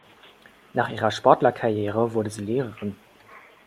Nach ihrer Sportlerkarriere wurde sie Lehrerin.